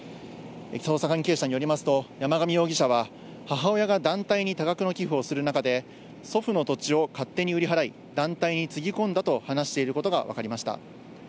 捜査関係者によりますと山上容疑者は母親が団体に多額の寄付をする中で、祖父の土地を勝手に売り払い、団体につぎ込んだと話しているということがわかりました。